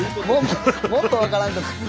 もっと分からんくなる。